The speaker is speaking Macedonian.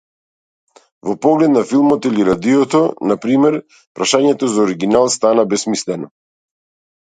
Во поглед на филмот или радиото, на пример, прашањето за оригинал стана бесмислено.